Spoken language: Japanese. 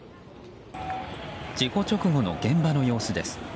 事故直後の現場の様子です。